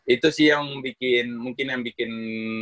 itu sih yang bikin mungkin yang bikin